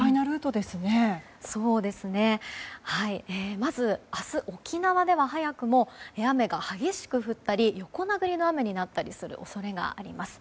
まず、明日、沖縄では早くも雨が激しく降ったり横殴りの雨になったりする恐れがあります。